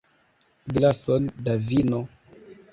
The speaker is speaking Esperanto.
Glason da vino.